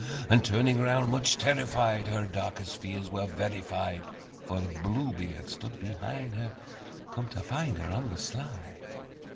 And turning round, much terrified, Her darkest fears were verified, For Blue Beard stood behind her, Come to find her On the sly!